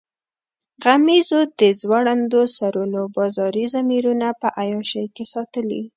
غمیزو د ځوړندو سرونو بازاري ضمیرونه په عیاشۍ کې ساتلي.